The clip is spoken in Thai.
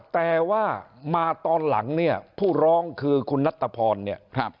แต่ว่ามาตอนหลังเนี่ยผู้ร้องคือคุณนัตรพรเนี่ย